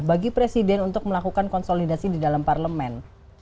bagi presiden untuk melakukan konsolidasi di dalam parlemen